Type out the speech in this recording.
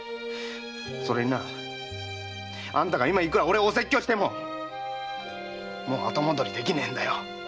〔それになあんたが今いくら俺をお説教してももう後戻りできねえんだよ〕